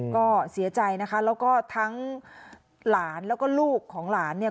ก็เสียใจนะคะแล้วก็ทั้งหลานแล้วก็ลูกของหลานเนี่ย